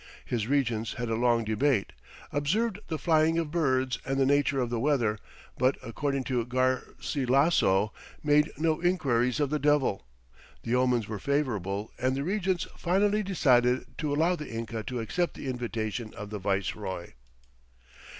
His regents had a long debate, observed the flying of birds and the nature of the weather, but according to Garcilasso "made no inquiries of the devil." The omens were favorable and the regents finally decided to allow the Inca to accept the invitation of the viceroy.